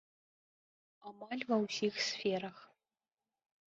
Амаль ва ўсіх сферах.